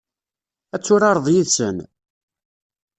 Ad turareḍ yid-sen?